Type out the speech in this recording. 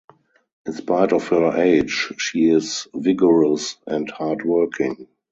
In spite of her age, she is vigorous and hard-working.